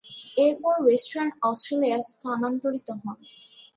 এরপর ওয়েস্টার্ন অস্ট্রেলিয়ায় স্থানান্তরিত হন।